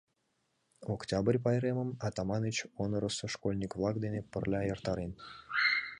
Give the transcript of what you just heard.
Октябрь пайремым Атаманыч Онорысо школьник-влак дене пырля эртарен.